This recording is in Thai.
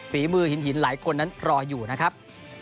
ฝีมือหินหลายคนนั้นรออยู่นะครับ